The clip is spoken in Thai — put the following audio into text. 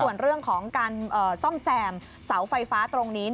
ส่วนเรื่องของการซ่อมแซมเสาไฟฟ้าตรงนี้